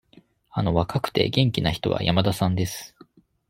あの若くて、元気な人は山田さんです。